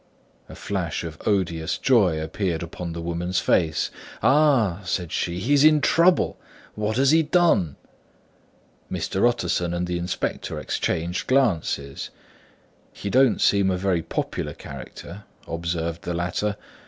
A flash of odious joy appeared upon the woman's face. "Ah!" said she, "he is in trouble! What has he done?" Mr. Utterson and the inspector exchanged glances. "He don't seem a very popular character," observed the latter.